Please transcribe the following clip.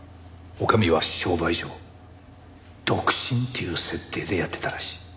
女将は商売上独身っていう設定でやってたらしい。